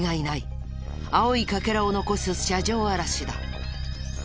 青い欠片を残す車上荒らしだ。